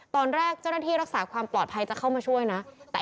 ตอนแรกเจ้าหน้าที่รักษาความปลอดภัยจะเข้ามาช่วยนะ